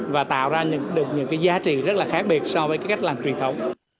và tạo ra những giá trị rất là khác biệt so với cách làm truyền thống